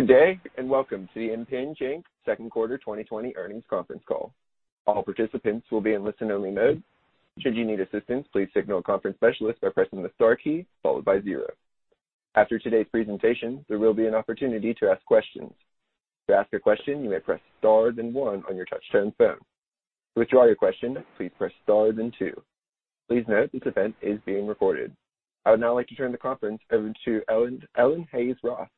Good day, and welcome to the Impinj Inc Second Quarter 2020 Earnings Conference Call. All participants will be in listen only mode. Should you need assistance, please signal a conference specialist by pressing the star key followed by zero. After today's presentation, there will be an opportunity to ask questions. To ask a question, you may press stars and one on your touchtone phone. To withdraw your question, please press stars and two. Please note this event is being recorded. I would now like to turn the conference over to Ellen Hayes-Roth,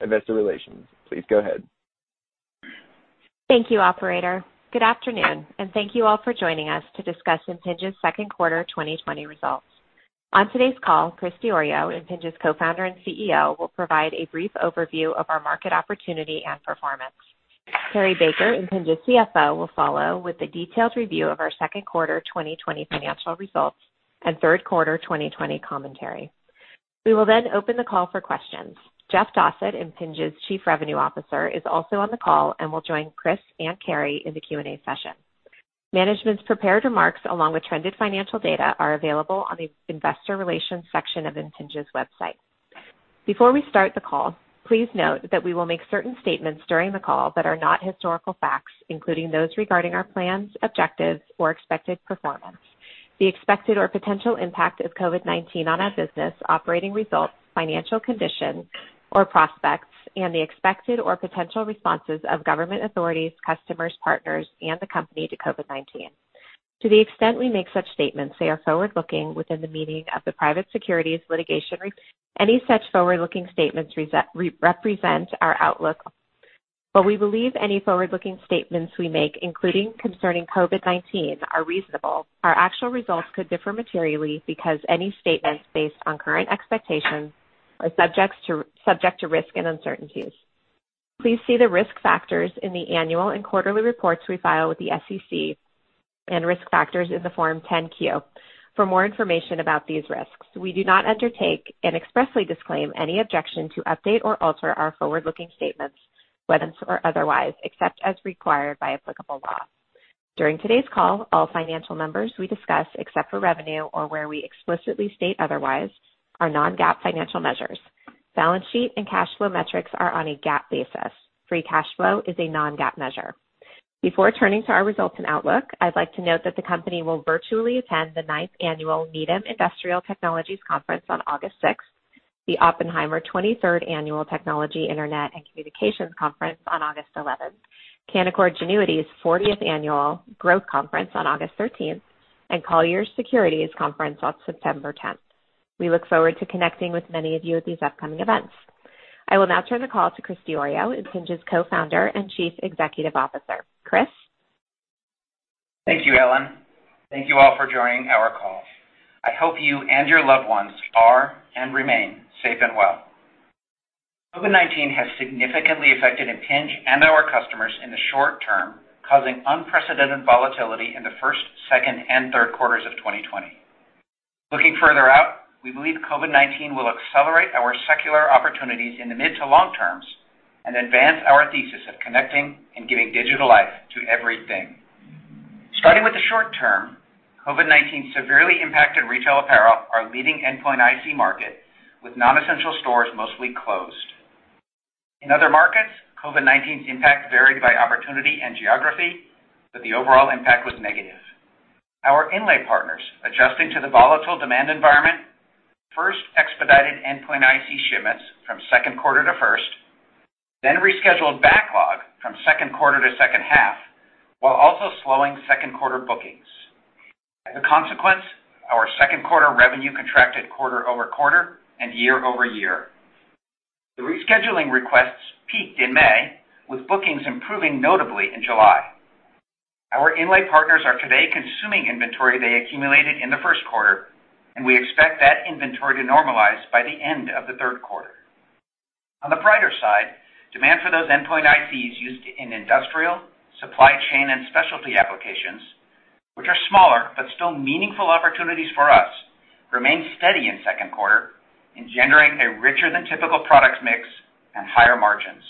Investor Relations. Please go ahead. Thank you, Operator. Good afternoon, and thank you all for joining us to discuss Impinj's Second Quarter 2020 results. On today's call, Chris Diorio, Impinj's co-founder and CEO, will provide a brief overview of our market opportunity and performance. Cary Baker, Impinj's CFO, will follow with a detailed review of our Second Quarter 2020 financial results and Third Quarter 2020 commentary. We will then open the call for questions. Jeff Dossett, Impinj's Chief Revenue Officer, is also on the call and will join Chris and Cary in the Q&A session. Management's prepared remarks along with trended financial data are available on the Investor Relations section of Impinj's website. Before we start the call, please note that we will make certain statements during the call that are not historical facts, including those regarding our plans, objectives, or expected performance. The expected or potential impact of COVID-19 on our business, operating results, financial condition, or prospects, and the expected or potential responses of government authorities, customers, partners, and the company to COVID-19. To the extent we make such statements, they are forward-looking within the meaning of the Private Securities Litigation. Any such forward-looking statements represent our outlook, but we believe any forward-looking statements we make, including concerning COVID-19, are reasonable. Our actual results could differ materially because any statements based on current expectations are subject to risk and uncertainties. Please see the risk factors in the annual and quarterly reports we file with the SEC and risk factors in the Form 10-Q. For more information about these risks, we do not undertake and expressly disclaim any obligation to update or alter our forward-looking statements, whether or not, or otherwise, except as required by applicable law. During today's call, all financial numbers we discuss, except for revenue or where we explicitly state otherwise, are non-GAAP financial measures. Balance sheet and cash flow metrics are on a GAAP basis. Free cash flow is a non-GAAP measure. Before turning to our results and outlook, I'd like to note that the company will virtually attend the 9th Annual Needham Industrial Technologies Conference on August 6th, the Oppenheimer 23rd Annual Technology Internet and Communications Conference on August 11th, Canaccord Genuity's 40th Annual Growth Conference on August 13th, and Colliers Securities Conference on September 10th. We look forward to connecting with many of you at these upcoming events. I will now turn the call to Chris Diorio, Impinj's co-founder and Chief Executive Officer. Chris. Thank you, Ellen. Thank you all for joining our call. I hope you and your loved ones are and remain safe and well. COVID-19 has significantly affected Impinj and our customers in the short term, causing unprecedented volatility in the first, second, and third quarters of 2020. Looking further out, we believe COVID-19 will accelerate our secular opportunities in the mid to long terms and advance our thesis of connecting and giving digital life to everything. Starting with the short term, COVID-19 severely impacted retail apparel, our leading endpoint IC market, with non-essential stores mostly closed. In other markets, COVID-19's impact varied by opportunity and geography, but the overall impact was negative. Our inlay partners, adjusting to the volatile demand environment, first expedited endpoint IC shipments from second quarter to first, then rescheduled backlog from second quarter to second half, while also slowing second quarter bookings. As a consequence, our second quarter revenue contracted quarter-over-quarter and year-over-year. The rescheduling requests peaked in May, with bookings improving notably in July. Our inlay partners are today consuming inventory they accumulated in the first quarter, and we expect that inventory to normalize by the end of the third quarter. On the brighter side, demand for those endpoint ICs used in industrial, supply chain, and specialty applications, which are smaller but still meaningful opportunities for us, remained steady in second quarter, engendering a richer than typical product mix and higher margins.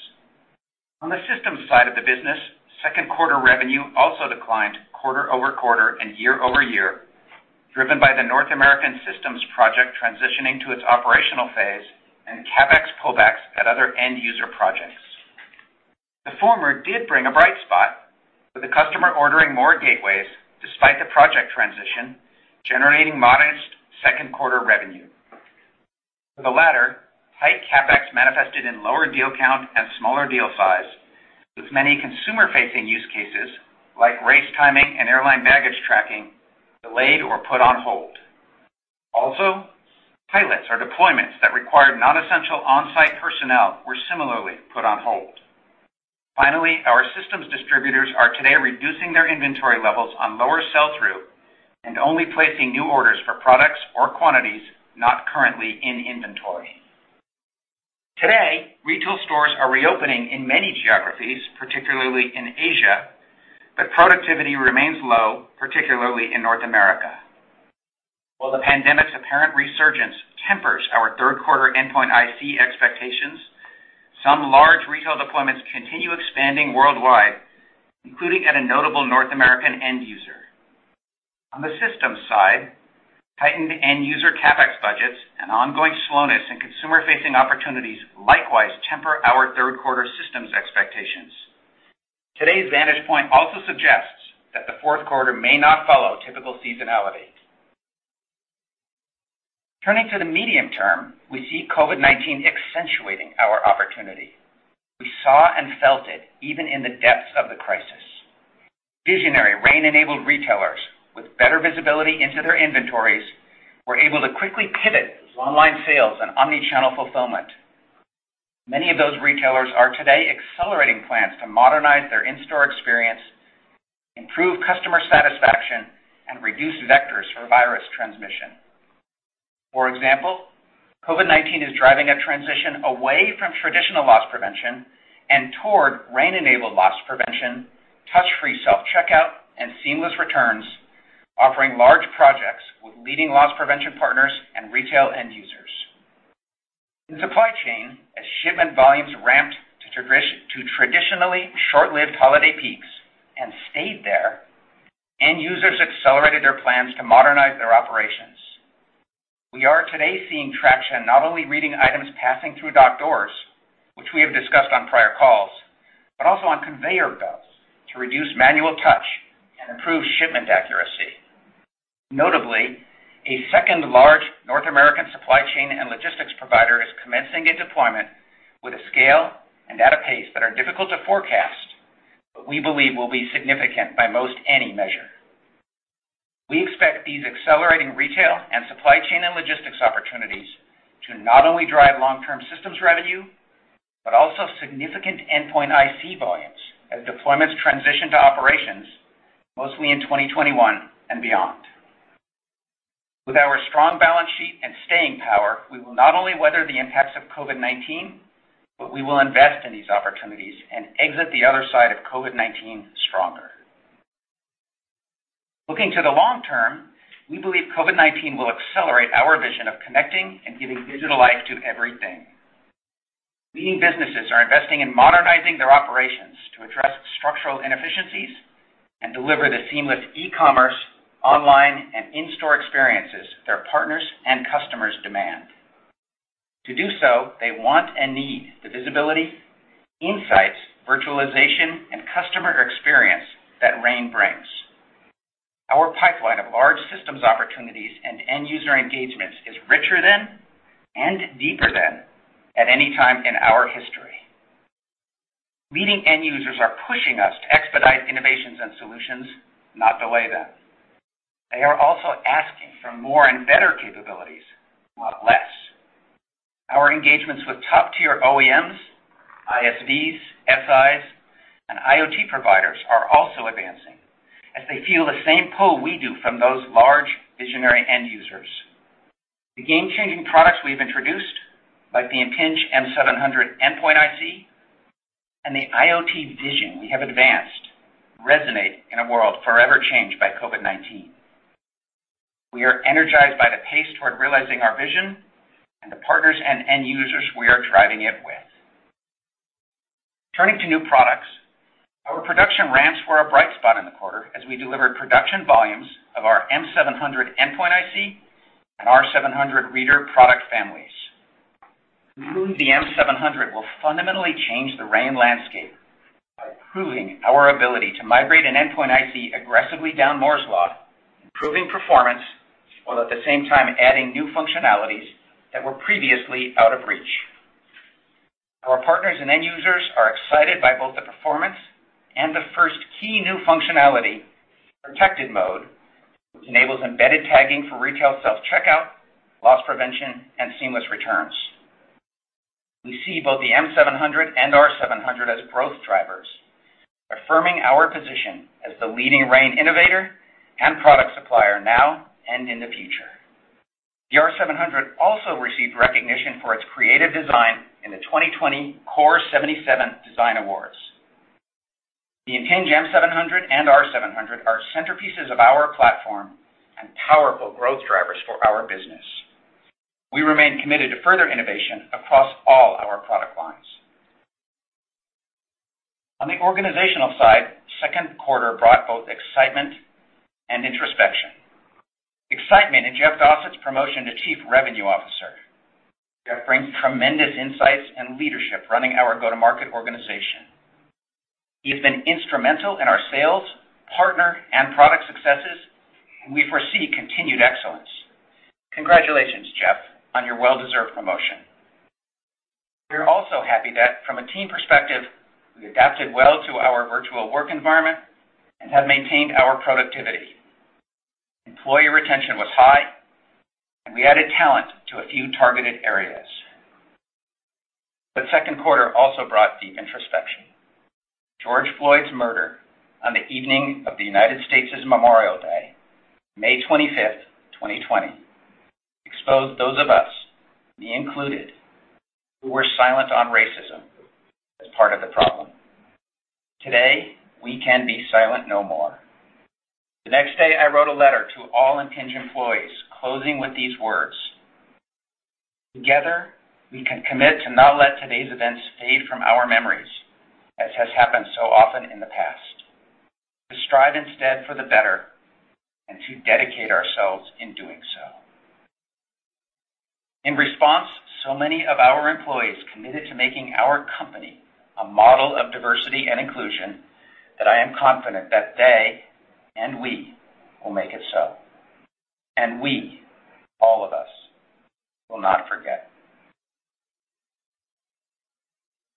On the systems side of the business, second quarter revenue also declined quarter-over-quarter and year-over-year, driven by the North American systems project transitioning to its operational phase and CapEx pullbacks at other end user projects. The former did bring a bright spot, with the customer ordering more gateways despite the project transition, generating modest second quarter revenue. For the latter, tight CapEx manifested in lower deal count and smaller deal size, with many consumer-facing use cases like race timing and airline baggage tracking delayed or put on hold. Also, pilots or deployments that required non-essential onsite personnel were similarly put on hold. Finally, our systems distributors are today reducing their inventory levels on lower sell-through and only placing new orders for products or quantities not currently in inventory. Today, retail stores are reopening in many geographies, particularly in Asia, but productivity remains low, particularly in North America. While the pandemic's apparent resurgence tempers our third quarter Endpoint IC expectations, some large retail deployments continue expanding worldwide, including at a notable North American end user. On the systems side, tightened end user CAPEX budgets and ongoing slowness in consumer-facing opportunities likewise temper our third quarter systems expectations. Today's vantage point also suggests that the fourth quarter may not follow typical seasonality. Turning to the medium term, we see COVID-19 accentuating our opportunity. We saw and felt it even in the depths of the crisis. Visionary RAIN-enabled retailers, with better visibility into their inventories, were able to quickly pivot online sales and omnichannel fulfillment. Many of those retailers are today accelerating plans to modernize their in-store experience, improve customer satisfaction, and reduce vectors for virus transmission. For example, COVID-19 is driving a transition away from traditional loss prevention and toward RAIN-enabled loss prevention, touch-free self-checkout, and seamless returns, offering large projects with leading loss prevention partners and retail end users. In supply chain, as shipment volumes ramped to traditionally short-lived holiday peaks and stayed there, end users accelerated their plans to modernize their operations. We are today seeing traction not only reading items passing through dock doors, which we have discussed on prior calls, but also on conveyor belts to reduce manual touch and improve shipment accuracy. Notably, a second large North American supply chain and logistics provider is commencing a deployment with a scale and at a pace that are difficult to forecast, but we believe will be significant by most any measure. We expect these accelerating retail and supply chain and logistics opportunities to not only drive long-term systems revenue, but also significant endpoint IC volumes as deployments transition to operations, mostly in 2021 and beyond. With our strong balance sheet and staying power, we will not only weather the impacts of COVID-19, but we will invest in these opportunities and exit the other side of COVID-19 stronger. Looking to the long term, we believe COVID-19 will accelerate our vision of connecting and giving digital life to everything. Leading businesses are investing in modernizing their operations to address structural inefficiencies and deliver the seamless e-commerce, online, and in-store experiences their partners and customers demand. To do so, they want and need the visibility, insights, virtualization, and customer experience that RAIN brings. Our pipeline of large systems opportunities and end user engagements is richer than and deeper than at any time in our history. Leading end users are pushing us to expedite innovations and solutions, not delay them. They are also asking for more and better capabilities, not less. Our engagements with top-tier OEMs, ISVs, SIs, and IoT providers are also advancing as they feel the same pull we do from those large visionary end users. The game-changing products we've introduced, like the Impinj M700 endpoint IC and the IoT vision we have advanced, resonate in a world forever changed by COVID-19. We are energized by the pace toward realizing our vision and the partners and end users we are driving it with. Turning to new products, our production ramped for a bright spot in the quarter as we delivered production volumes of our M700 endpoint IC and R700 reader product families. Improving the M700 will fundamentally change the RAIN landscape by proving our ability to migrate an endpoint IC aggressively down Moore's Law, improving performance while at the same time adding new functionalities that were previously out of reach. Our partners and end users are excited by both the performance and the first key new functionality, Protected Mode, which enables embedded tagging for retail self-checkout, loss prevention, and seamless returns. We see both the M700 and R700 as growth drivers, affirming our position as the leading RAIN innovator and product supplier now and in the future. The R700 also received recognition for its creative design in the 2020 Core77 Design Awards. The Impinj M700 and R700 are centerpieces of our platform and powerful growth drivers for our business. We remain committed to further innovation across all our product lines. On the organizational side, second quarter brought both excitement and introspection. Excitement in Jeff Dossett's promotion to Chief Revenue Officer. Jeff brings tremendous insights and leadership running our go-to-market organization. He has been instrumental in our sales, partner, and product successes, and we foresee continued excellence. Congratulations, Jeff, on your well-deserved promotion. We are also happy that, from a team perspective, we adapted well to our virtual work environment and have maintained our productivity. Employee retention was high, and we added talent to a few targeted areas. But second quarter also brought deep introspection. George Floyd's murder on the evening of the United States' Memorial Day, May 25th, 2020, exposed those of us, me included, who were silent on racism as part of the problem. Today, we can be silent no more. The next day, I wrote a letter to all Impinj employees, closing with these words: "Together, we can commit to not let today's events fade from our memories, as has happened so often in the past, to strive instead for the better and to dedicate ourselves in doing so." In response, so many of our employees committed to making our company a model of diversity and inclusion that I am confident that they and we will make it so. And we, all of us, will not forget.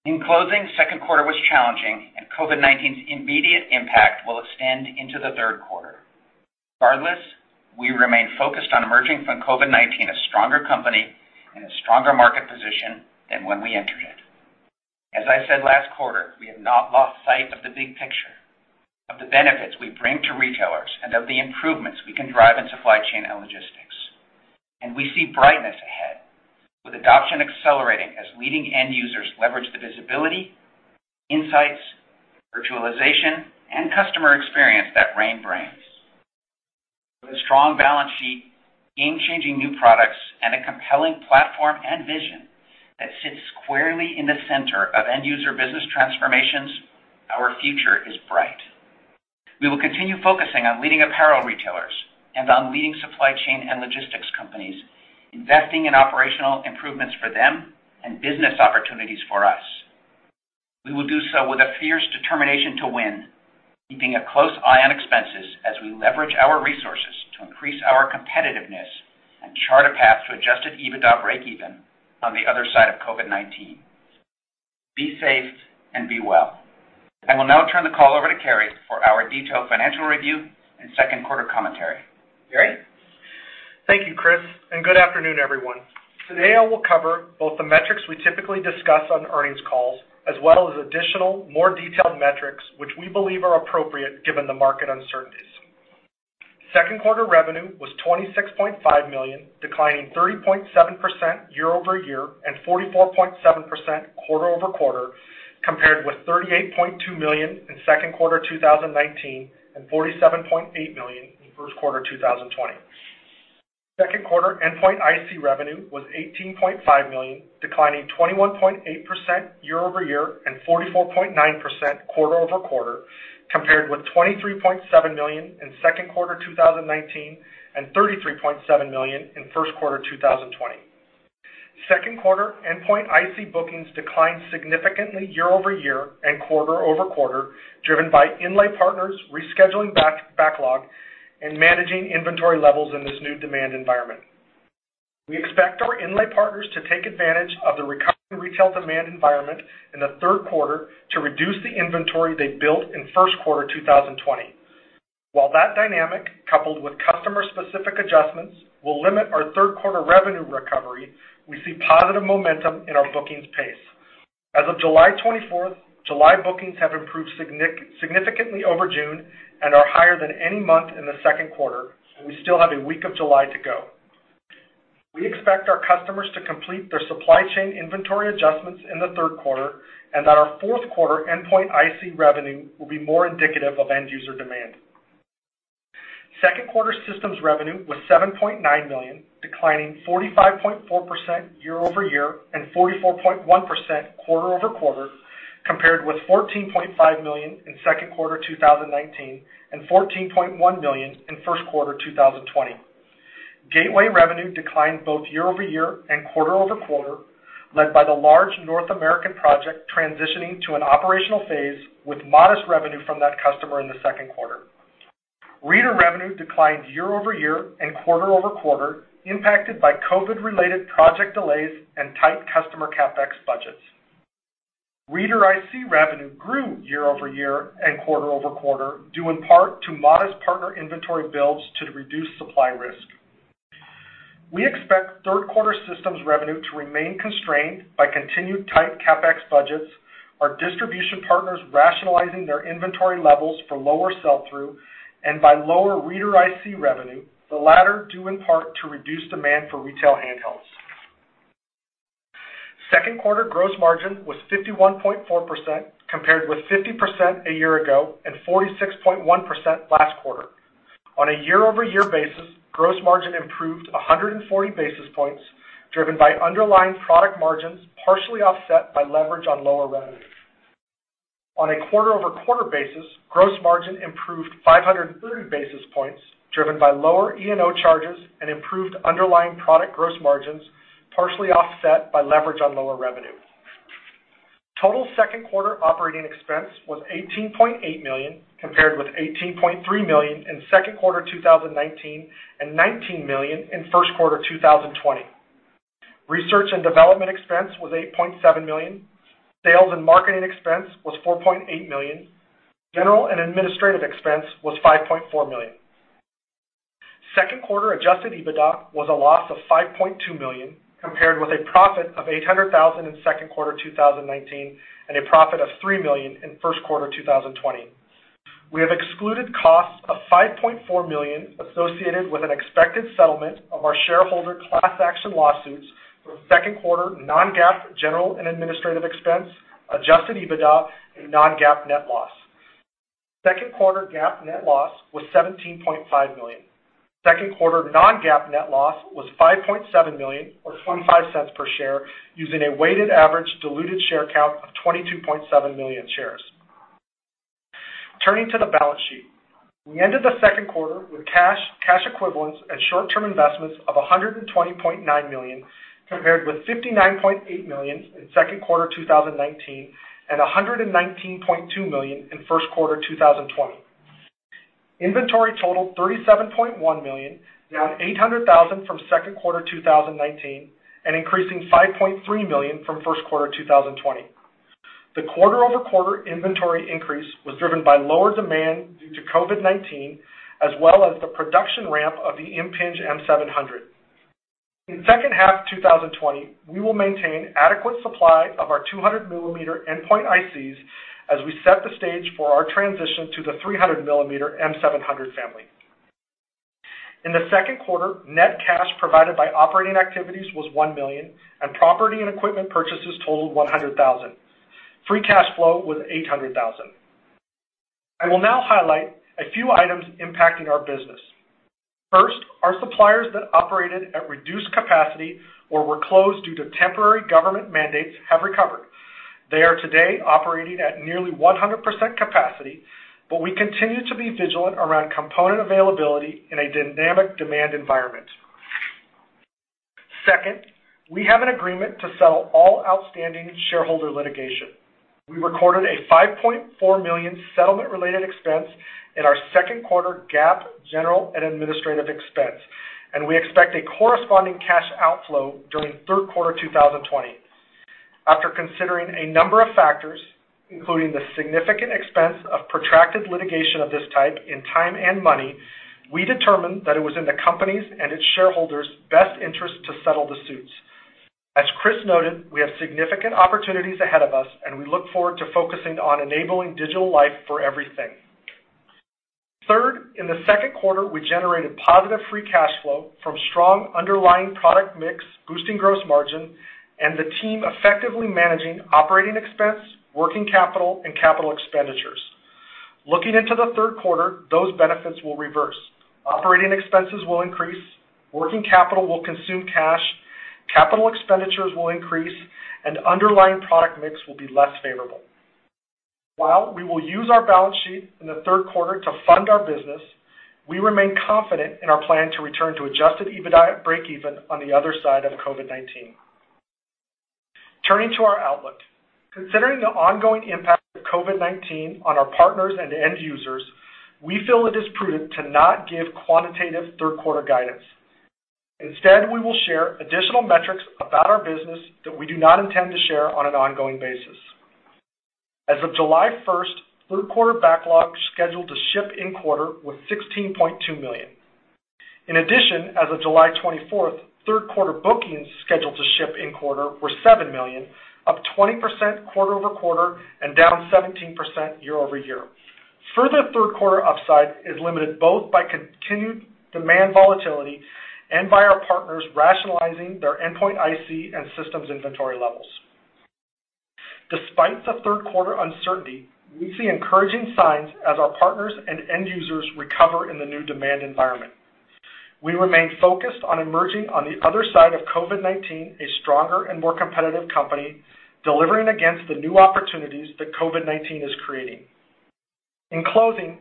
In closing, second quarter was challenging, and COVID-19's immediate impact will extend into the third quarter. Regardless, we remain focused on emerging from COVID-19 a stronger company and a stronger market position than when we entered it. As I said last quarter, we have not lost sight of the big picture, of the benefits we bring to retailers, and of the improvements we can drive in supply chain and logistics. And we see brightness ahead, with adoption accelerating as leading end users leverage the visibility, insights, virtualization, and customer experience that RAIN brings. With a strong balance sheet, game-changing new products, and a compelling platform and vision that sits squarely in the center of end user business transformations, our future is bright. We will continue focusing on leading apparel retailers and on leading supply chain and logistics companies, investing in operational improvements for them and business opportunities for us. We will do so with a fierce determination to win, keeping a close eye on expenses as we leverage our resources to increase our competitiveness and chart a path to Adjusted EBITDA break-even on the other side of COVID-19. Be safe and be well. I will now turn the call over to Cary for our detailed financial review and second quarter commentary. Cary? Thank you, Chris, and good afternoon, everyone. Today, I will cover both the metrics we typically discuss on earnings calls as well as additional, more detailed metrics which we believe are appropriate given the market uncertainties. Second quarter revenue was $26.5 million, declining 30.7% year-over-year and 44.7% quarter-over-quarter, compared with $38.2 million in second quarter 2019 and $47.8 million in first quarter 2020. Second quarter endpoint IC revenue was $18.5 million, declining 21.8% year-over-year and 44.9% quarter-over-quarter, compared with $23.7 million in second quarter 2019 and $33.7 million in first quarter 2020. Second quarter endpoint IC bookings declined significantly year-over-year and quarter-over-quarter, driven by inlay partners rescheduling backlog and managing inventory levels in this new demand environment. We expect our inlay partners to take advantage of the recovering retail demand environment in the third quarter to reduce the inventory they built in first quarter 2020. While that dynamic, coupled with customer-specific adjustments, will limit our third quarter revenue recovery, we see positive momentum in our bookings pace. As of July 24th, July bookings have improved significantly over June and are higher than any month in the second quarter, and we still have a week of July to go. We expect our customers to complete their supply chain inventory adjustments in the third quarter and that our fourth quarter Endpoint IC revenue will be more indicative of end user demand. Second quarter systems revenue was $7.9 million, declining 45.4% year-over-year and 44.1% quarter-over-quarter, compared with $14.5 million in second quarter 2019 and $14.1 million in first quarter 2020. Gateway revenue declined both year-over-year and quarter-over-quarter, led by the large North American project transitioning to an operational phase with modest revenue from that customer in the second quarter. Reader revenue declined year-over-year and quarter-over-quarter, impacted by COVID-related project delays and tight customer CAPEX budgets. Reader IC revenue grew year-over-year and quarter-over-quarter, due in part to modest partner inventory builds to reduce supply risk. We expect third quarter systems revenue to remain constrained by continued tight CapEx budgets, our distribution partners rationalizing their inventory levels for lower sell-through, and by lower reader IC revenue, the latter due in part to reduced demand for retail handhelds. Second quarter gross margin was 51.4%, compared with 50% a year ago and 46.1% last quarter. On a year-over-year basis, gross margin improved 140 basis points, driven by underlying product margins partially offset by leverage on lower revenue. On a quarter-over-quarter basis, gross margin improved 530 basis points, driven by lower E&O charges and improved underlying product gross margins partially offset by leverage on lower revenue. Total second quarter operating expense was $18.8 million, compared with $18.3 million in second quarter 2019 and $19 million in first quarter 2020. Research and development expense was $8.7 million. Sales and marketing expense was $4.8 million. General and administrative expense was $5.4 million. Second quarter Adjusted EBITDA was a loss of $5.2 million, compared with a profit of $800,000 in second quarter 2019 and a profit of $3 million in first quarter 2020. We have excluded costs of $5.4 million associated with an expected settlement of our shareholder class action lawsuits for second quarter non-GAAP general and administrative expense, Adjusted EBITDA, and non-GAAP net loss. Second quarter GAAP net loss was $17.5 million. Second quarter non-GAAP net loss was $5.7 million, or $0.25 per share, using a weighted average diluted share count of 22.7 million shares. Turning to the balance sheet, we ended the second quarter with cash, cash equivalents, and short-term investments of $120.9 million, compared with $59.8 million in second quarter 2019 and $119.2 million in first quarter 2020. Inventory totaled $37.1 million, down $800,000 from second quarter 2019 and increasing $5.3 million from first quarter 2020. The quarter-over-quarter inventory increase was driven by lower demand due to COVID-19, as well as the production ramp of the Impinj M700. In second half 2020, we will maintain adequate supply of our 200-millimeter endpoint ICs as we set the stage for our transition to the 300-millimeter M700 family. In the second quarter, net cash provided by operating activities was $1 million, and property and equipment purchases totaled $100,000. Free cash flow was $800,000. I will now highlight a few items impacting our business. First, our suppliers that operated at reduced capacity or were closed due to temporary government mandates have recovered. They are today operating at nearly 100% capacity, but we continue to be vigilant around component availability in a dynamic demand environment. Second, we have an agreement to settle all outstanding shareholder litigation. We recorded a $5.4 million settlement-related expense in our second quarter GAAP general and administrative expense, and we expect a corresponding cash outflow during third quarter 2020. After considering a number of factors, including the significant expense of protracted litigation of this type in time and money, we determined that it was in the company's and its shareholders' best interest to settle the suits. As Chris noted, we have significant opportunities ahead of us, and we look forward to focusing on enabling digital life for everything. Third, in the second quarter, we generated positive free cash flow from strong underlying product mix, boosting gross margin, and the team effectively managing operating expense, working capital, and capital expenditures. Looking into the third quarter, those benefits will reverse. Operating expenses will increase, working capital will consume cash, capital expenditures will increase, and underlying product mix will be less favorable. While we will use our balance sheet in the third quarter to fund our business, we remain confident in our plan to return to Adjusted EBITDA break-even on the other side of COVID-19. Turning to our outlook, considering the ongoing impact of COVID-19 on our partners and end users, we feel it is prudent to not give quantitative third quarter guidance. Instead, we will share additional metrics about our business that we do not intend to share on an ongoing basis. As of July 1st, third quarter backlog scheduled to ship in quarter was $16.2 million. In addition, as of July 24th, third quarter bookings scheduled to ship in quarter were $7 million, up 20% quarter-over-quarter and down 17% year-over-year. Further third quarter upside is limited both by continued demand volatility and by our partners rationalizing their Endpoint IC and systems inventory levels. Despite the third quarter uncertainty, we see encouraging signs as our partners and end users recover in the new demand environment. We remain focused on emerging on the other side of COVID-19, a stronger and more competitive company delivering against the new opportunities that COVID-19 is creating. In closing,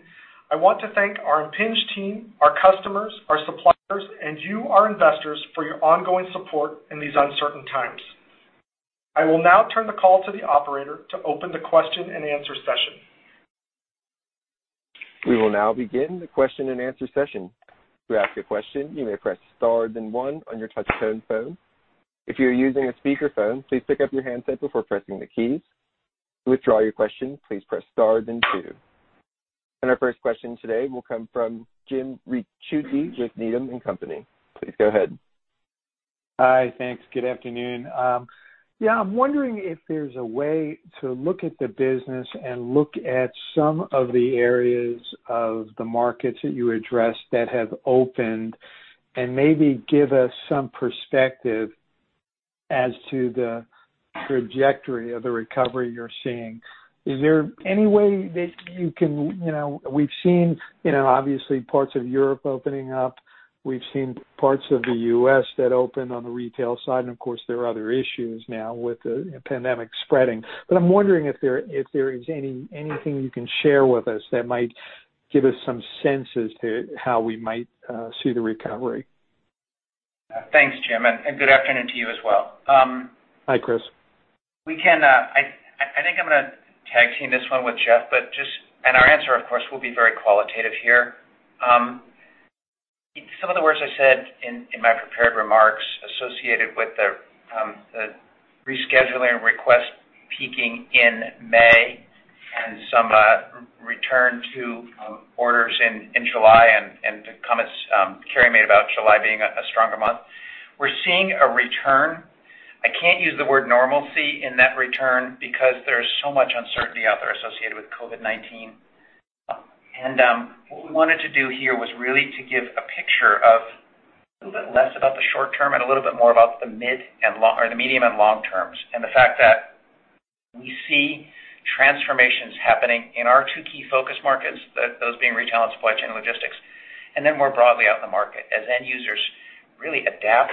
I want to thank our Impinj team, our customers, our suppliers, and you, our investors, for your ongoing support in these uncertain times. I will now turn the call to the operator to open the question and answer session. We will now begin the question and answer session. To ask a question, you may press star, then one on your touchscreen phone. If you're using a speakerphone, please pick up your handset before pressing the keys. To withdraw your question, please press star, then two. And our first question today will come from Jim Ricchiuti with Needham & Company. Please go ahead. Hi, thanks. Good afternoon. Yeah, I'm wondering if there's a way to look at the business and look at some of the areas of the markets that you addressed that have opened and maybe give us some perspective as to the trajectory of the recovery you're seeing. Is there any way that you can—we've seen, obviously, parts of Europe opening up. We've seen parts of the U.S. that opened on the retail side, and of course, there are other issues now with the pandemic spreading. But I'm wondering if there is anything you can share with us that might give us some senses to how we might see the recovery. Thanks, Jim. And good afternoon to you as well. Hi, Chris. I think I'm going to tag team this one with Jeff, and our answer, of course, will be very qualitative here. Some of the words I said in my prepared remarks associated with the rescheduling request peaking in May and some return to orders in July and to comments Cary made about July being a stronger month. We're seeing a return. I can't use the word normalcy in that return because there's so much uncertainty out there associated with COVID-19. What we wanted to do here was really to give a picture of a little bit less about the short term and a little bit more about the medium and long terms and the fact that we see transformations happening in our two key focus markets, those being retail and supply chain logistics, and then more broadly out in the market as end users really adapt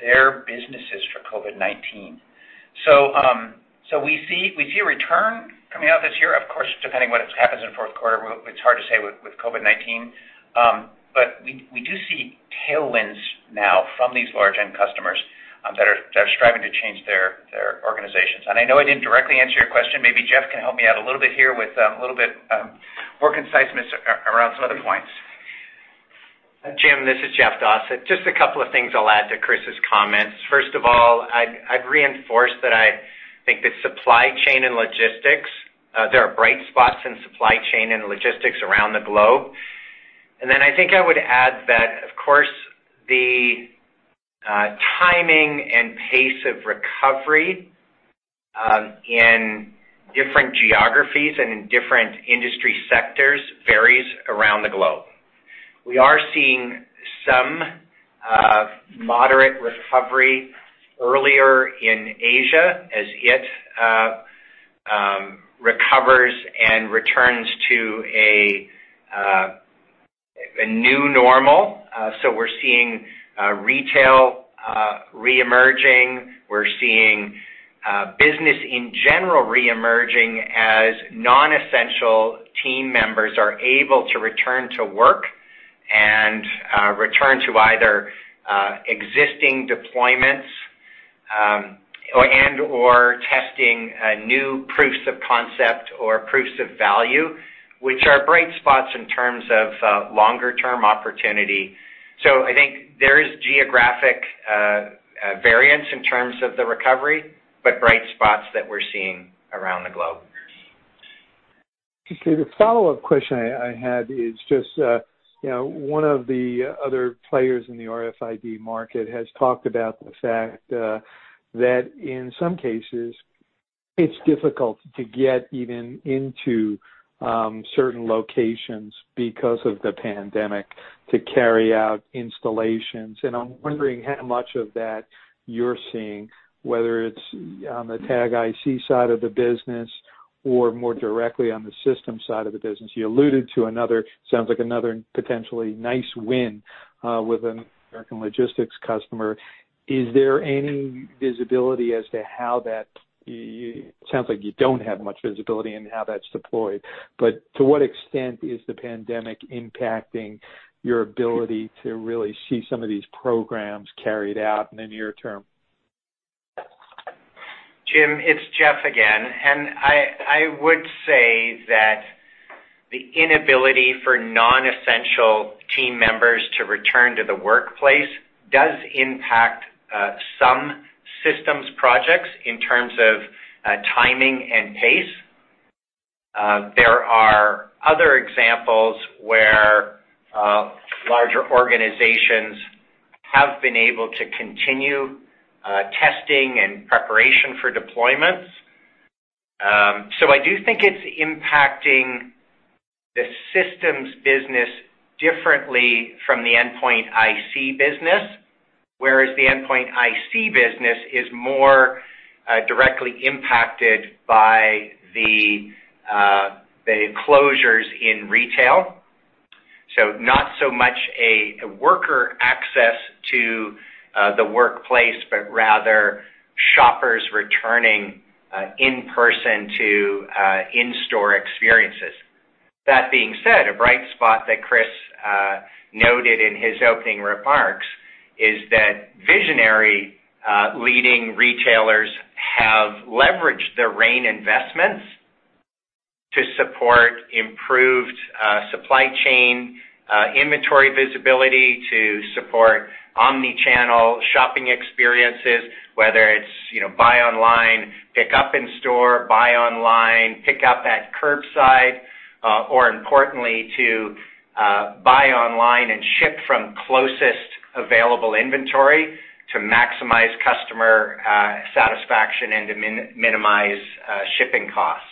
their businesses for COVID-19. We see a return coming out this year, of course, depending on what happens in fourth quarter. It's hard to say with COVID-19, but we do see tailwinds now from these large-end customers that are striving to change their organizations. I know I didn't directly answer your question. Maybe Jeff can help me out a little bit here with a little bit more conciseness around some other points. Jim, this is Jeff Dossett. Just a couple of things I'll add to Chris's comments. First of all, I'd reinforce that I think the supply chain and logistics, there are bright spots in supply chain and logistics around the globe. And then I think I would add that, of course, the timing and pace of recovery in different geographies and in different industry sectors varies around the globe. We are seeing some moderate recovery earlier in Asia as it recovers and returns to a new normal. So we're seeing retail reemerging. We're seeing business in general reemerging as non-essential team members are able to return to work and return to either existing deployments and/or testing new proofs of concept or proofs of value, which are bright spots in terms of longer-term opportunity. So I think there is geographic variance in terms of the recovery, but bright spots that we're seeing around the globe. Just the follow-up question I had is just one of the other players in the RFID market has talked about the fact that in some cases, it's difficult to get even into certain locations because of the pandemic to carry out installations. And I'm wondering how much of that you're seeing, whether it's on the tag IC side of the business or more directly on the system side of the business. You alluded to another, sounds like another potentially nice win with an American logistics customer. Is there any visibility as to how that, it sounds like you don't have much visibility in how that's deployed. But to what extent is the pandemic impacting your ability to really see some of these programs carried out in the near term? Jim, it's Jeff again. And I would say that the inability for non-essential team members to return to the workplace does impact some systems projects in terms of timing and pace. There are other examples where larger organizations have been able to continue testing and preparation for deployments. So I do think it's impacting the systems business differently from the endpoint IC business, whereas the endpoint IC business is more directly impacted by the closures in retail. So not so much a worker access to the workplace, but rather shoppers returning in person to in-store experiences. That being said, a bright spot that Chris noted in his opening remarks is that visionary leading retailers have leveraged their RAIN investments to support improved supply chain inventory visibility, to support omnichannel shopping experiences, whether it's buy online, pick up in store, buy online, pick up at curbside, or importantly, to buy online and ship from closest available inventory to maximize customer satisfaction and to minimize shipping costs.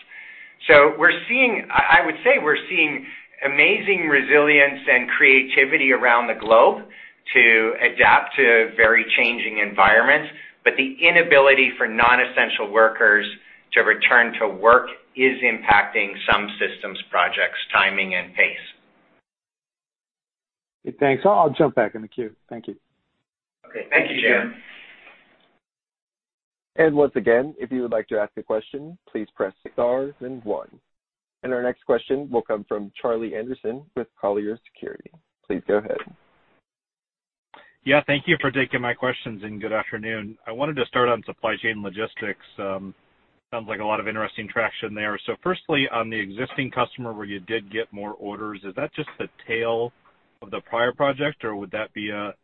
So I would say we're seeing amazing resilience and creativity around the globe to adapt to very changing environments, but the inability for non-essential workers to return to work is impacting some systems projects' timing and pace. Thanks. I'll jump back in the queue. Thank you. Okay. Thank you, Jim. And once again, if you would like to ask a question, please press star, then one. And our next question will come from Charlie Anderson with Colliers Securities. Please go ahead. Yeah. Thank you for taking my questions, and good afternoon. I wanted to start on supply chain logistics. Sounds like a lot of interesting traction there. So firstly, on the existing customer where you did get more orders, is that just the tail of the prior project, or would that be a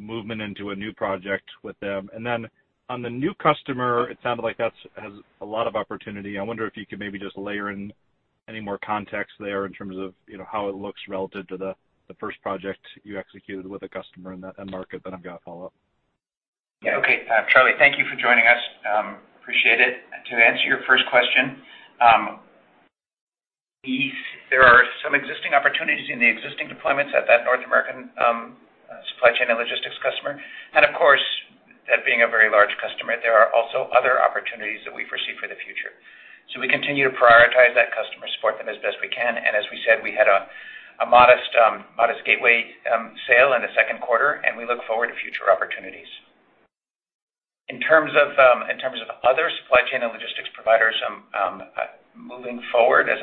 movement into a new project with them? And then on the new customer, it sounded like that has a lot of opportunity. I wonder if you could maybe just layer in any more context there in terms of how it looks relative to the first project you executed with a customer in that market that I've got to follow up. Yeah. Okay. Charlie, thank you for joining us. Appreciate it. To answer your first question, there are some existing opportunities in the existing deployments at that North American supply chain and logistics customer. And of course, that being a very large customer, there are also other opportunities that we've received for the future. So we continue to prioritize that customer, support them as best we can. And as we said, we had a modest gateway sale in the second quarter, and we look forward to future opportunities. In terms of other supply chain and logistics providers moving forward, as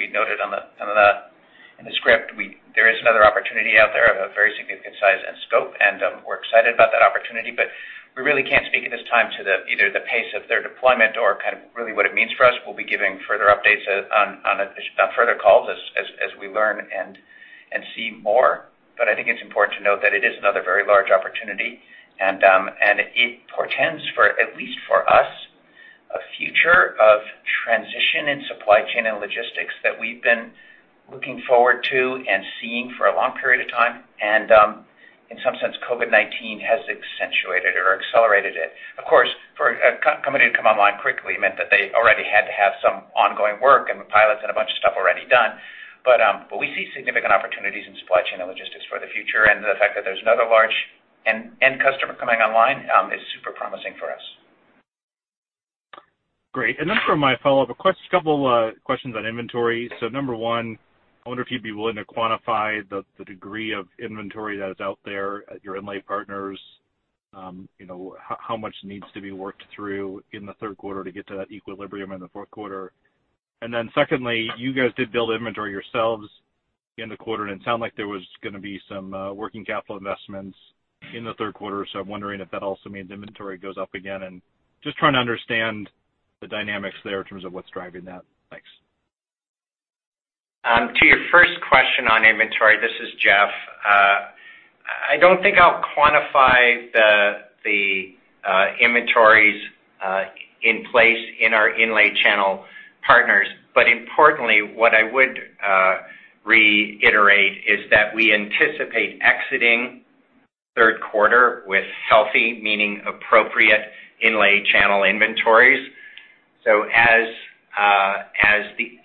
we noted in the script, there is another opportunity out there of a very significant size and scope, and we're excited about that opportunity. But we really can't speak at this time to either the pace of their deployment or kind of really what it means for us. We'll be giving further updates on further calls as we learn and see more. But I think it's important to note that it is another very large opportunity, and it portends for at least for us a future of transition in supply chain and logistics that we've been looking forward to and seeing for a long period of time. And in some sense, COVID-19 has accentuated or accelerated it. Of course, for a company to come online quickly meant that they already had to have some ongoing work and pilots and a bunch of stuff already done. But we see significant opportunities in supply chain and logistics for the future, and the fact that there's another large end customer coming online is super promising for us. Great. And then for my follow-up questions, a couple of questions on inventory. Number one, I wonder if you'd be willing to quantify the degree of inventory that is out there at your inlay partners, how much needs to be worked through in the third quarter to get to that equilibrium in the fourth quarter. And then secondly, you guys did build inventory yourselves in the quarter, and it sounded like there was going to be some working capital investments in the third quarter. So I'm wondering if that also means inventory goes up again. And just trying to understand the dynamics there in terms of what's driving that. Thanks. To your first question on inventory, this is Jeff. I don't think I'll quantify the inventories in place in our inlay channel partners. But importantly, what I would reiterate is that we anticipate exiting third quarter with healthy, meaning appropriate inlay channel inventories. So as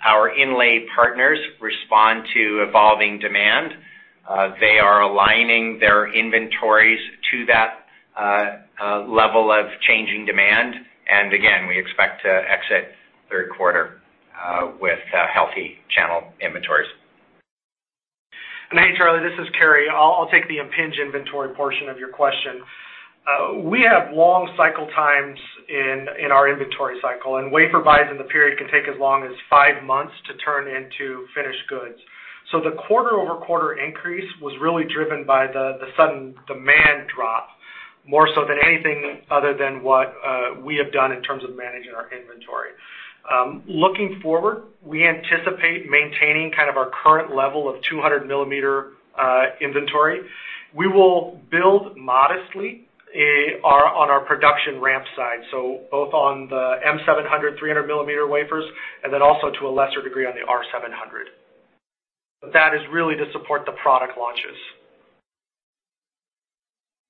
our inlay partners respond to evolving demand, they are aligning their inventories to that level of changing demand. And again, we expect to exit third quarter with healthy channel inventories. And hey, Charlie, this is Cary. I'll take the Impinj inventory portion of your question. We have long cycle times in our inventory cycle, and wafer buys in the period can take as long as five months to turn into finished goods. So the quarter-over-quarter increase was really driven by the sudden demand drop more so than anything other than what we have done in terms of managing our inventory. Looking forward, we anticipate maintaining kind of our current level of 200-millimeter inventory. We will build modestly on our production ramp side, so both on the M700, 300-millimeter wafers, and then also to a lesser degree on the R700. But that is really to support the product launches.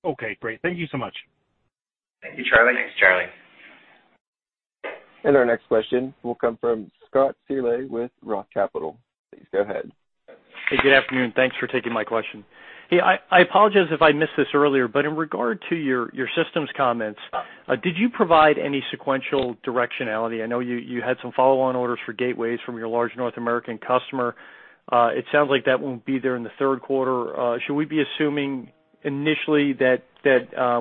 Okay. Great. Thank you so much. Thank you, Charlie. Thanks, Charlie. And our next question will come from Scott Searle with Roth Capital. Please go ahead. Hey, good afternoon. Thanks for taking my question. Hey, I apologize if I missed this earlier, but in regard to your systems comments, did you provide any sequential directionality? I know you had some follow-on orders for gateways from your large North American customer. It sounds like that won't be there in the third quarter. Should we be assuming initially that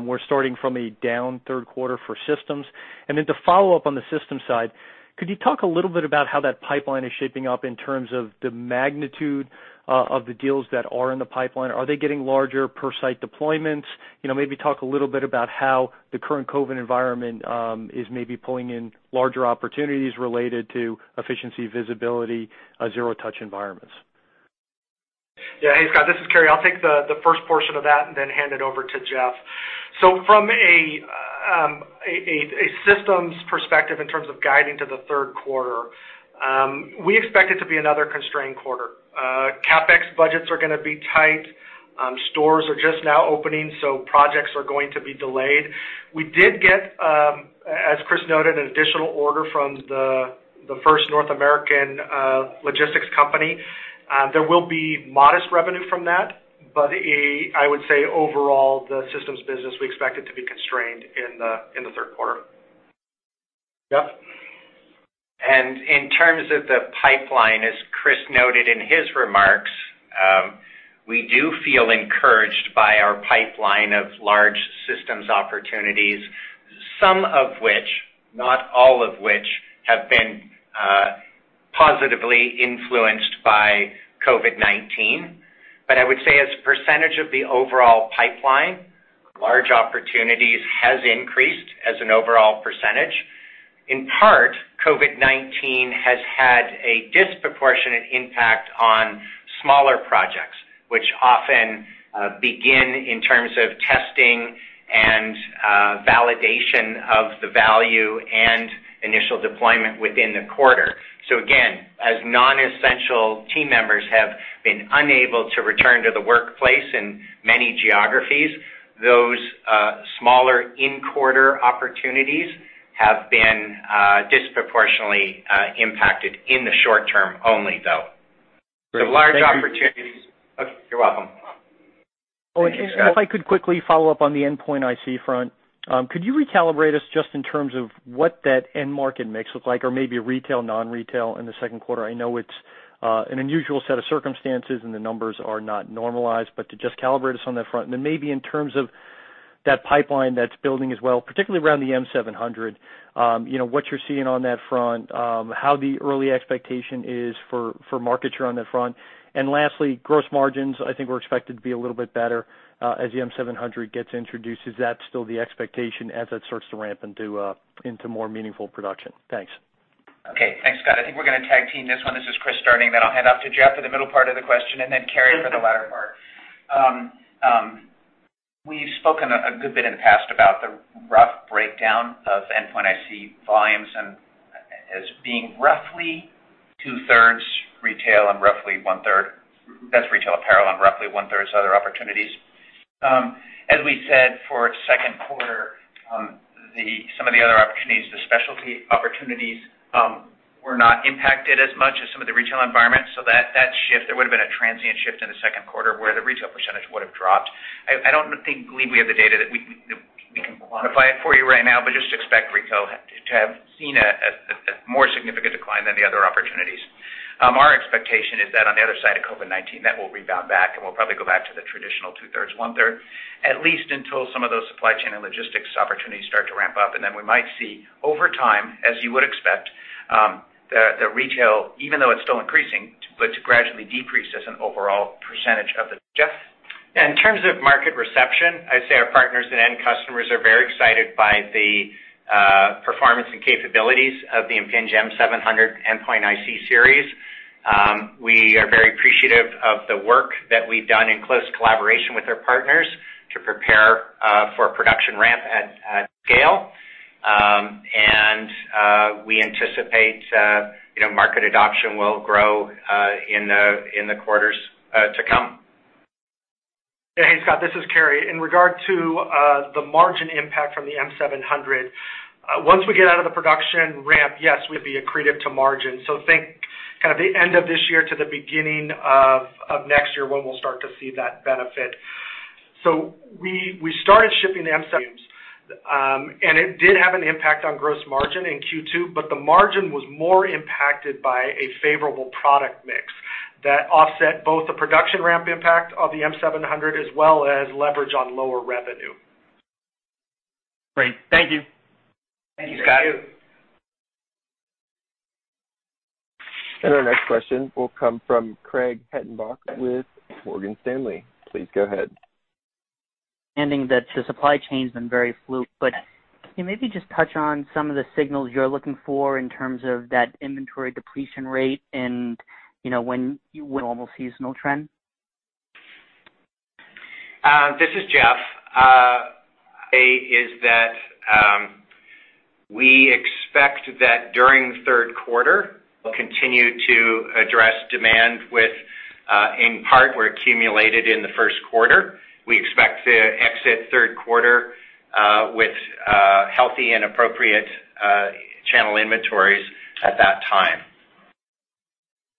we're starting from a down third quarter for systems? And then to follow up on the systems side, could you talk a little bit about how that pipeline is shaping up in terms of the magnitude of the deals that are in the pipeline? Are they getting larger per-site deployments? Maybe talk a little bit about how the current COVID environment is maybe pulling in larger opportunities related to efficiency, visibility, zero-touch environments? Yeah. Hey, Scott, this is Cary. I'll take the first portion of that and then hand it over to Jeff. So from a systems perspective in terms of guiding to the third quarter, we expect it to be another constrained quarter. CapEx budgets are going to be tight. Stores are just now opening, so projects are going to be delayed. We did get, as Chris noted, an additional order from the first North American logistics company. There will be modest revenue from that, but I would say overall, the systems business, we expect it to be constrained in the third quarter. Yep. In terms of the pipeline, as Chris noted in his remarks, we do feel encouraged by our pipeline of large systems opportunities, some of which, not all of which, have been positively influenced by COVID-19. I would say as a percentage of the overall pipeline, large opportunities have increased as an overall percentage. In part, COVID-19 has had a disproportionate impact on smaller projects, which often begin in terms of testing and validation of the value and initial deployment within the quarter. Again, as non-essential team members have been unable to return to the workplace in many geographies, those smaller in-quarter opportunities have been disproportionately impacted in the short term only, though the large opportunities. Okay. You're welcome. Oh, and if I could quickly follow up on the endpoint IC front, could you recalibrate us just in terms of what that end market mix looks like or maybe retail, non-retail in the second quarter? I know it's an unusual set of circumstances and the numbers are not normalized, but to just calibrate us on that front, and then maybe in terms of that pipeline that's building as well, particularly around the M700, what you're seeing on that front, how the early expectation is for markets around that front. And lastly, gross margins, I think we're expected to be a little bit better as the M700 gets introduced. Is that still the expectation as that starts to ramp into more meaningful production? Thanks. Okay. Thanks, Scott. I think we're going to tag team this one. This is Chris starting. Then I'll hand off to Jeff for the middle part of the question and then Cary for the latter part. We've spoken a good bit in the past about the rough breakdown of Endpoint IC volumes as being roughly two-thirds retail and roughly one-third, that's retail apparel and roughly one-third's other opportunities. As we said, for second quarter, some of the other opportunities, the specialty opportunities, were not impacted as much as some of the retail environment. So that shift, there would have been a transient shift in the second quarter where the retail percentage would have dropped. I don't believe we have the data that we can quantify it for you right now, but just expect retail to have seen a more significant decline than the other opportunities. Our expectation is that on the other side of COVID-19, that will rebound back and we'll probably go back to the traditional two-thirds, one-third, at least until some of those supply chain and logistics opportunities start to ramp up. And then we might see over time, as you would expect, the retail, even though it's still increasing, but to gradually decrease as an overall percentage of the. Jeff? Yeah. In terms of market reception, I'd say our partners and end customers are very excited by the performance and capabilities of the Impinj M700 endpoint IC series. We are very appreciative of the work that we've done in close collaboration with our partners to prepare for production ramp at scale. And we anticipate market adoption will grow in the quarters to come. Hey, Scott, this is Cary. In regard to the margin impact from the M700, once we get out of the production ramp, yes, we'd be accretive to margin. So think kind of the end of this year to the beginning of next year when we'll start to see that benefit. So we started shipping the M700 volumes, and it did have an impact on gross margin in Q2, but the margin was more impacted by a favorable product mix that offset both the production ramp impact of the M700 as well as leverage on lower revenue. Great. Thank you. Thank you, Scott. Thank you. Our next question will come from Craig Hettenbach with Morgan Stanley. Please go ahead. Assuming that the supply chain's been very fluid, but can you maybe just touch on some of the signals you're looking for in terms of that inventory depletion rate and when you normalize seasonal trend? This is Jeff. I'd say that we expect that during the third quarter, we'll continue to address demand with inventory that accumulated in the first quarter. We expect to exit third quarter with healthy and appropriate channel inventories at that time.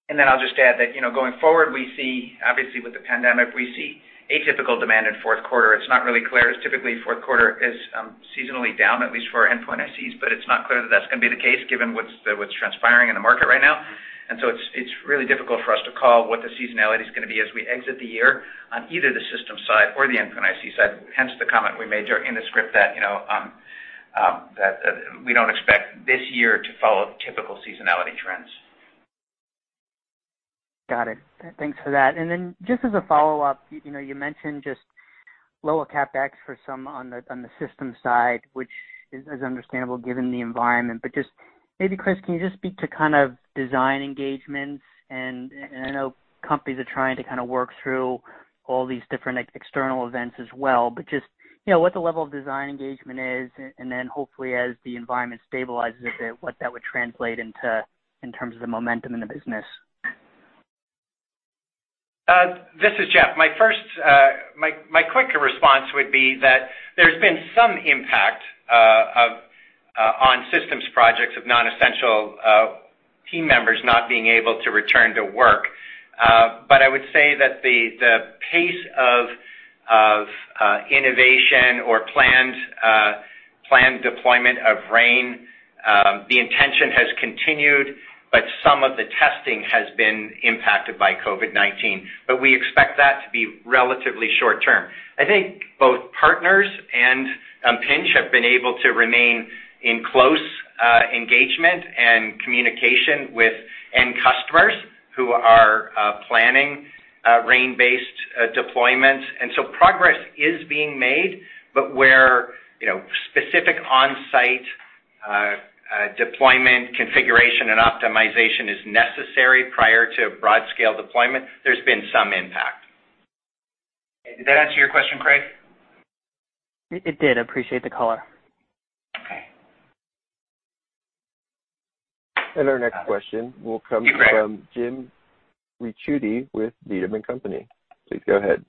And then I'll just add that going forward, obviously with the pandemic, we see atypical demand in fourth quarter. It's not really clear. Typically, fourth quarter is seasonally down, at least for endpoint ICs, but it's not clear that that's going to be the case given what's transpiring in the market right now. And so it's really difficult for us to call what the seasonality is going to be as we exit the year on either the systems side or the endpoint IC side. Hence the comment we made in the script that we don't expect this year to follow typical seasonality trends. Got it. Thanks for that. Then just as a follow-up, you mentioned just lower CAPEX for some on the systems side, which is understandable given the environment. But just maybe, Chris, can you just speak to kind of design engagements? And I know companies are trying to kind of work through all these different external events as well, but just what the level of design engagement is, and then hopefully as the environment stabilizes a bit, what that would translate into in terms of the momentum in the business. This is Jeff. My quick response would be that there's been some impact on systems projects of non-essential team members not being able to return to work. But I would say that the pace of innovation or planned deployment of RAIN, the intention has continued, but some of the testing has been impacted by COVID-19. But we expect that to be relatively short term. I think both partners and Impinj have been able to remain in close engagement and communication with end customers who are planning RAIN-based deployments. So progress is being made, but where specific on-site deployment configuration and optimization is necessary prior to broad-scale deployment, there's been some impact. Did that answer your question, Craig? It did. I appreciate the color. Okay. Our next question will come from Jim Ricchiuti with Needham & Company. Please go ahead.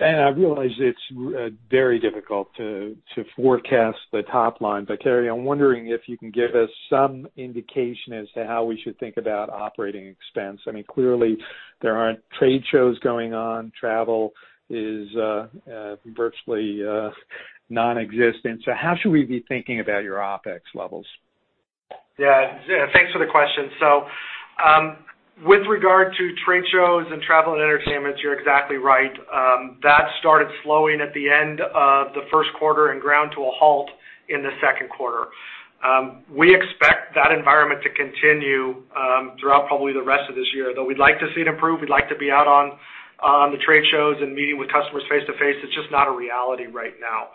I realize it's very difficult to forecast the top line, but Cary, I'm wondering if you can give us some indication as to how we should think about operating expense. I mean, clearly, there aren't trade shows going on. Travel is virtually nonexistent. So how should we be thinking about your OpEx levels? Yeah. Thanks for the question. So with regard to trade shows and travel and entertainment, you're exactly right. That started slowing at the end of the first quarter and ground to a halt in the second quarter. We expect that environment to continue throughout probably the rest of this year, though we'd like to see it improve. We'd like to be out on the trade shows and meeting with customers face-to-face. It's just not a reality right now.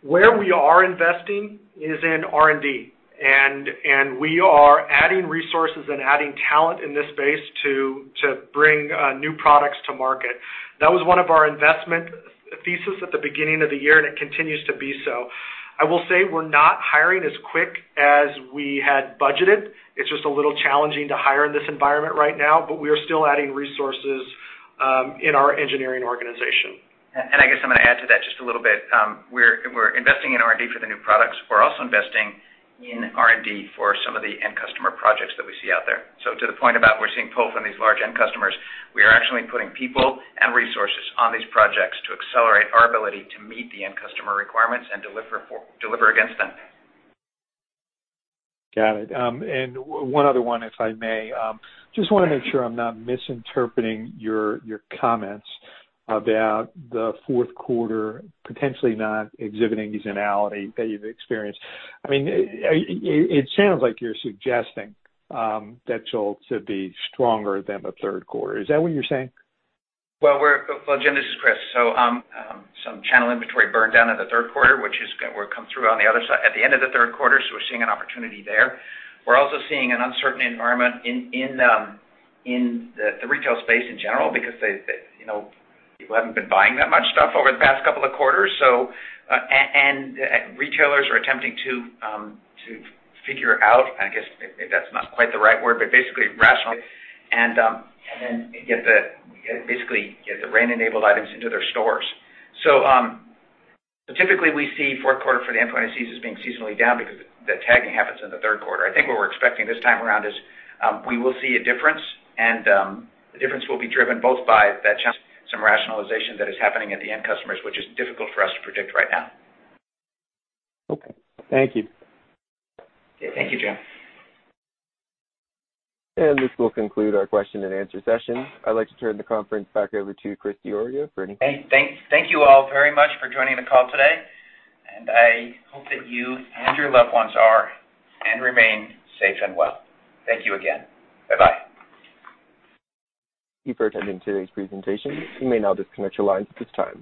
Where we are investing is in R&D, and we are adding resources and adding talent in this space to bring new products to market. That was one of our investment theses at the beginning of the year, and it continues to be so. I will say we're not hiring as quick as we had budgeted. It's just a little challenging to hire in this environment right now, but we are still adding resources in our engineering organization. And I guess I'm going to add to that just a little bit. We're investing in R&D for the new products. We're also investing in R&D for some of the end customer projects that we see out there. So to the point about we're seeing pull from these large end customers, we are actually putting people and resources on these projects to accelerate our ability to meet the end customer requirements and deliver against them. Got it. And one other one, if I may. Just want to make sure I'm not misinterpreting your comments about the fourth quarter potentially not exhibiting seasonality that you've experienced. I mean, it sounds like you're suggesting that you'll be stronger than the third quarter. Is that what you're saying? Well, Jim, this is Chris. So some channel inventory burned down in the third quarter, which is going to come through on the other side at the end of the third quarter. So we're seeing an opportunity there. We're also seeing an uncertain environment in the retail space in general because people haven't been buying that much stuff over the past couple of quarters. And retailers are attempting to figure out, I guess that's not quite the right word, but basically rationalize. And then basically get the RAIN-enabled items into their stores. So typically, we see fourth quarter for the endpoint ICs as being seasonally down because the tagging happens in the third quarter. I think what we're expecting this time around is we will see a difference, and the difference will be driven both by that. Some rationalization that is happening at the end customers, which is difficult for us to predict right now. Okay. Thank you. Okay. Thank you, Jim. And this will conclude our question-and-answer session. I'd like to turn the conference back over to Chris Diorio for any. Thank you all very much for joining the call today. And I hope that you and your loved ones are and remain safe and well. Thank you again. Bye-bye. Thank you for attending today's presentation. You may now disconnect your lines at this time.